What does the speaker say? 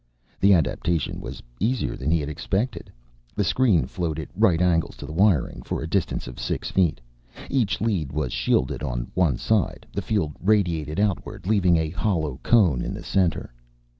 The adaptation was easier than he had expected. The screen flowed at right angles to the wiring, for a distance of six feet. Each lead was shielded on one side; the field radiated outward, leaving a hollow cone in the center.